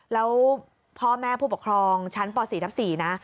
แล้วพ่อแม่ผู้ปกครองชั้นป๔ทับ๔นะ